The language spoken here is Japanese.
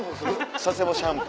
佐世保シャンプー。